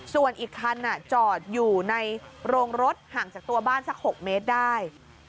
ส่วนอีกคันจอดอยู่ในโรงรถห่างจากตัวบ้านสัก๖เมตรได้